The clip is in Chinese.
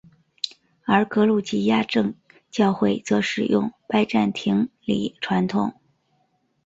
而格鲁吉亚正教会则使用拜占庭礼传统。